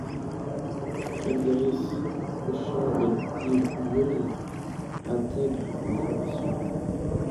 Frederis Pruchon et Didier Fouilleul intègrent la formation.